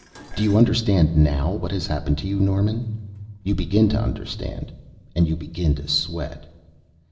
"Do you understand now what has happened to you, Norman?" You begin to understand. And you begin to sweat.